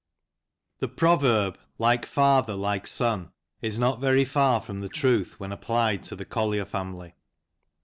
THE proverb "like father, like son" is not very far from the truth when applied to the Collier family.